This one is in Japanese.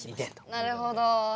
なるほど。